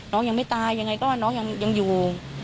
น้องยังไม่ตายยังไงก็น้องยังอยู่